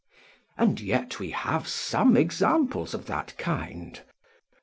And yet we have some examples of that kind.